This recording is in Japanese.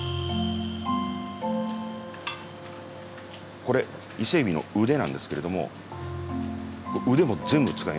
これ伊勢海老の腕なんですけれども腕も全部使います。